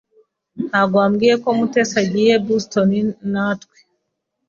Ntabwo wambwiye ko Mutesi agiye i Boston natwe.